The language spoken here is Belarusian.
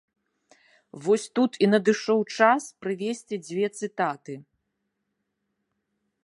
Вось тут і надышоў час прывесці дзве цытаты.